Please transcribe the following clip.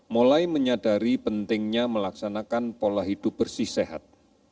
mulai menyadari pentingnya melaksanakan pola hidup bersih sehat